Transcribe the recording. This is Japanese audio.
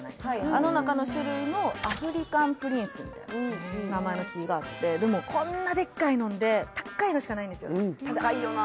あの中の種類のアフリカンプリンスみたいな名前の木があってでもこんなでっかいのんでたっかいのしかないんですよ高いよな